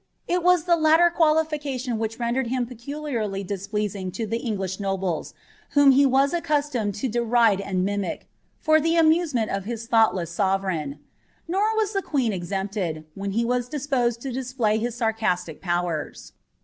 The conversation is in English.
It «»• ihe laticr oualification which rendered him peculiarly displeasiug to the English nobles, wliom he was accustomed to deride and mimic, for the amuvetnent of his thoughtless sovereign ; nor was the queen ex unptMl, when he was disposed to display his sarcustic powers.'